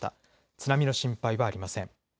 津波の心配はありません。